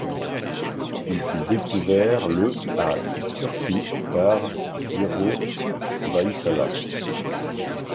Il fut découvert le à Turku par Yrjö Väisälä.